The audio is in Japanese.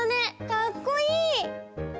かっこいい！